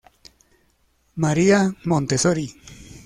María Montessori.